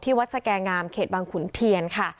ที่วัดสแกงามเขตบางขุนธีียันค่ะ